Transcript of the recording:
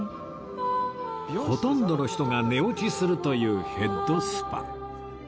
ほとんどの人が寝落ちするというヘッドスパ